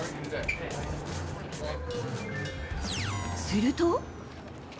すると。